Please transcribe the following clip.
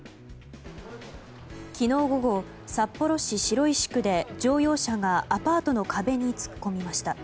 昨日午後札幌市白石区で乗用車がアパートの壁に突っ込みました。